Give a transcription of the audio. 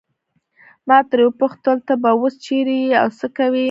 ما ترې وپوښتل ته به اوس چیرې یې او څه کوې.